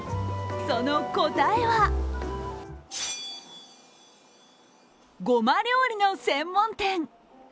その答えは、ごま料理の専門店。